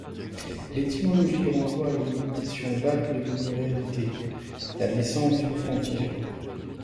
L'étymologie renvoie à une limitation vague devenue réalité, la naissance d'une frontière.